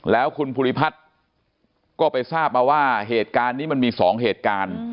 แล้วคุณภูริพัฒน์ก็ไปทราบมาว่าเหตุการณ์นี้มันมี๒เหตุการณ์